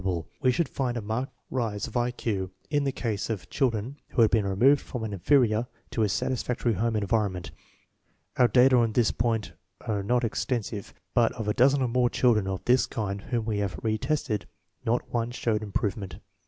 14 INTELLIGENCE OF SCHOOL CHILDREN we should find a marked rise of I Q in the ^ase of chil dren who had been removed from au inferior to a sat isfactory home environment. Our data on this point are not extensive, but of a dozen or more children of this kind whom we have re tested, not one showed improvement.